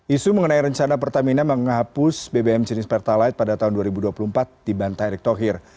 isu mengenai rencana pertamina menghapus bbm jenis pertalite pada tahun dua ribu dua puluh empat dibantah erick thohir